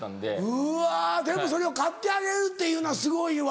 うわでもそれを買ってあげるっていうのはすごいわ。